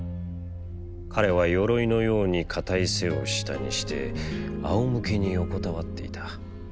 彼は鎧のように堅い背を下にして、あおむけに横たわっていた。